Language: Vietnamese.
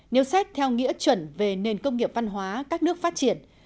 nếu xét theo nghĩa chuẩn về nền công nghiệp văn hóa các nước phát triển